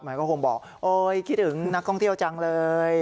หมายความบอกคิดถึงนักกองเที่ยวจังเลย